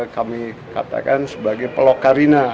kami katakan sebagai pelokarina